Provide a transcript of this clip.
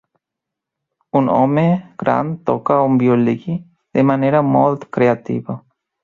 Un home gran toca un violí de manera molt creativa.